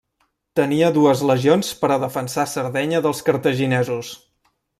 Tenia dues legions per a defensar Sardenya dels cartaginesos.